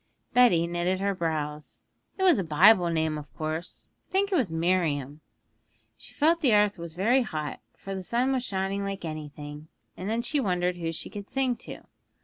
Betty knitted her brows. 'It was a Bible name, of course; I think it was Miriam. She felt the earth was very hot, for the sun was shining like anything, and then she wondered who she could sing to.